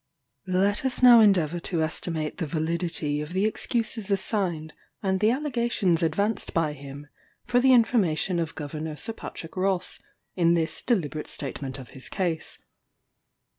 Let us now endeavour to estimate the validity of the excuses assigned, and the allegations advanced by him, for the information of Governor Sir Patrick Ross, in this deliberate statement of his case.